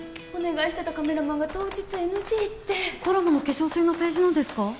お願いしてたカメラマンが当日ＮＧってコラボの化粧水のページのですか？